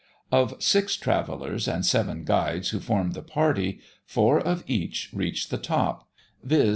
Of six travellers and seven guides who formed the party, four of each reached the top viz.